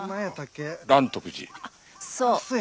そう。